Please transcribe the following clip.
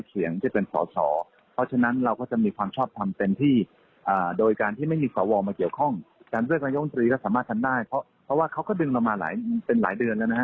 เดี๋ยวจะมีอะไรอีกต่อไปเราก็ไม่ชาบ